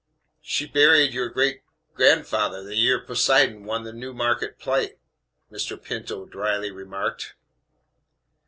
"She married your great gr ndf th r the year Poseidon won the Newmarket Plate," Mr. Pinto dryly remarked.